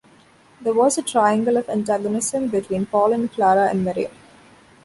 There was a triangle of antagonism between Paul and Clara and Miriam.